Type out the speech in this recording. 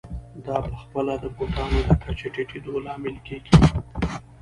دا په خپله د بوټانو د کچې ټیټېدو لامل کېږي